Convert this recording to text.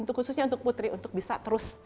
untuk khususnya untuk putri untuk bisa terus